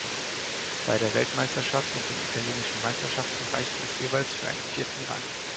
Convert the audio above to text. Bei der Weltmeisterschaft und den italienischen Meisterschaften reichte es jeweils für einen vierten Rang.